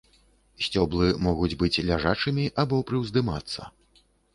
Сцеблы могуць быць ляжачымі або прыўздымацца.